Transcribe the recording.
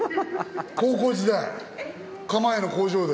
高校時代かま栄の工場で。